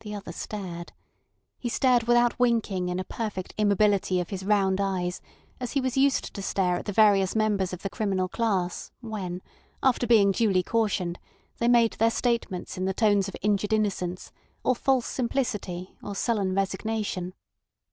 The other stared. He stared without winking in a perfect immobility of his round eyes, as he was used to stare at the various members of the criminal class when, after being duly cautioned, they made their statements in the tones of injured innocence, or false simplicity, or sullen resignation.